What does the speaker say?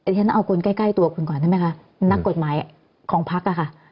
ฉันเอาคนใกล้ตัวคุณก่อนได้ไหมคะนักกฎหมายของพักอะค่ะ